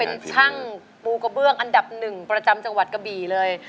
เป็นช่างปูกระเบื้องอันดับหนึ่งประจำจังหวัดกะบี่เลย